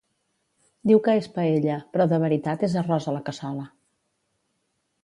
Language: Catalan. Diu que és paella però de veritat és arròs a la cassola.